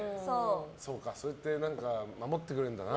そうやって守ってくれるんだね。